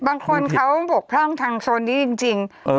บางคนเขาบกพร่องทางโซนนี้จริง